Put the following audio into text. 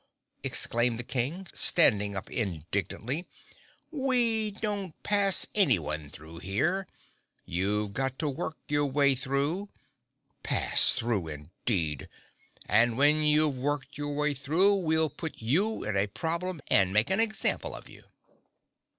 exclaimed the King, standing up indignantly. "We don't pass anyone through here. You've got to work your way through. Pass through, indeed! And when you've worked your way through we'll put you in a problem and make an example of you."